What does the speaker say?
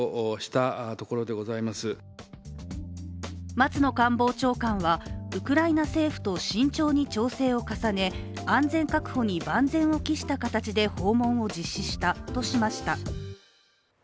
松野官房長官は、ウクライナ政府と慎重に調整を重ね安全確保に万全を期した形で訪問を実施したとしました。